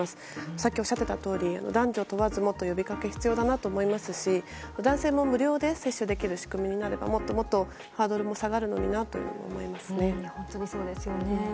さっきおっしゃっていたとおり男女問わず呼びかけが必要だと思いますし男性も無料で接種できる仕組みになればもっとハードルも下がるのになって本当ですよね。